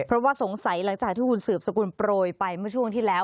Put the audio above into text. เพราะว่าสงสัยหลังจากที่คุณสืบสกุลโปรยไปเมื่อช่วงที่แล้ว